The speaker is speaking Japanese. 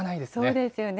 そうですよね。